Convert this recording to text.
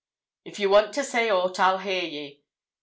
'If you want to say aught, I'll hear ye.